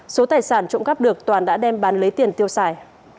số tài sản trộm cắp được toàn đã đem bán lấy tiền tiêu xài